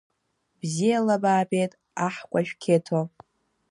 Бзиала баабеит аҳкәажә Қьеҭо!